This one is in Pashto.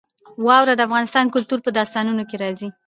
واوره د افغان کلتور په داستانونو کې راځي.